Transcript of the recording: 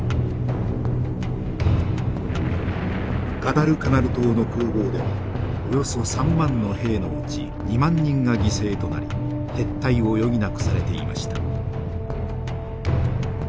ガダルカナル島の攻防ではおよそ３万の兵のうち２万人が犠牲となり撤退を余儀なくされていました。